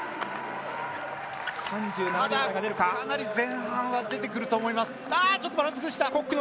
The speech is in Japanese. かなり前半は出てくると思います。